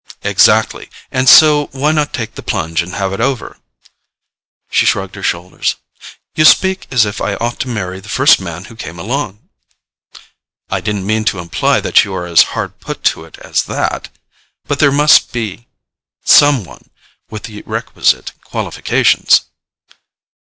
"Exactly. And so why not take the plunge and have it over?" She shrugged her shoulders. "You speak as if I ought to marry the first man who came along." "I didn't mean to imply that you are as hard put to it as that. But there must be some one with the requisite qualifications."